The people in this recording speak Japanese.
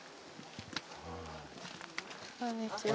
こんにちは。